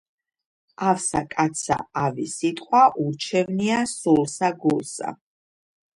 ავსა კაცსა ავი სიტყვა ურჩევნია სულსა, გულსა